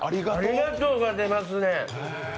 ありがとうが出ますね。